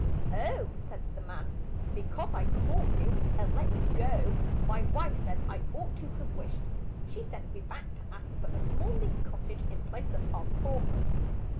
: "Oh,"' said the man. "because I caught you and let you go, my wife says I ought to have wished. She sent me back to ask for a small neat cot tage in place of our poor hut."